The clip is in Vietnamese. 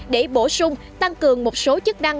để bổ sung tăng cường một số chức năng